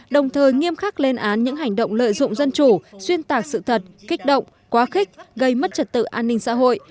đồng thời nghiêm khắc lên án những hành động lợi dụng dân chủ xuyên tạc sự thật kích động quá khích gây mất trật tự an ninh xã hội